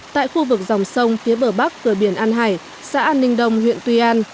tại khu vực dòng sông phía bờ bắc cửa biển an hải xã an ninh đông huyện tuy an